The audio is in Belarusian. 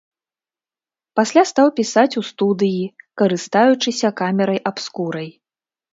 Пасля стаў пісаць у студыі, карыстаючыся камерай-абскурай.